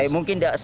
mungkin tidak sakit